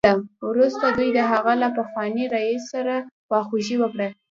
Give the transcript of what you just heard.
وروسته دوی د هغه له پخواني رییس سره خواخوږي وکړه